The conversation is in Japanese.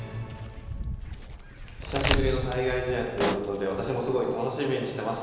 久しぶりの対外試合ということで私もすごい楽しみにしてました。